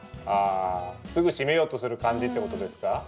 あすぐ閉めようとする感じってことですか？